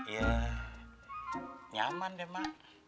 ya nyaman deh mak